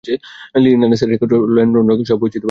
লি নাসেরের record, London record সব ভেঙে ফেলেছে!